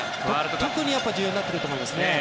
特に重要になってくると思いますね。